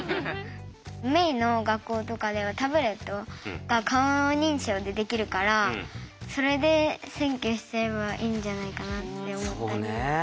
萌衣の学校とかではタブレットが顔認証でできるからそれで選挙しちゃえばいいんじゃないかなって思った。